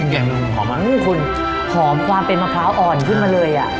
คุณคุณหอมความเป็นมะพร้าวอ่อนขึ้นมาเลย